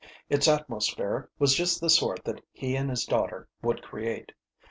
Its atmosphere was just the sort that he and his daughter would create.